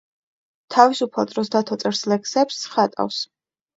თავისუფალ დროს დათო წერს ლექსებს, ხატავს.